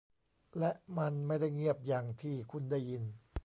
และมันไม่ได้เงียบอย่างที่คุณได้ยิน